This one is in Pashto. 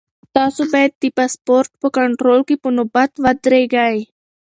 تاسو باید د پاسپورټ په کنټرول کې په نوبت کې ودرېږئ.